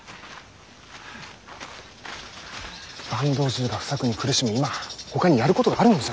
坂東中が不作に苦しむ今ほかにやることがあるのでは。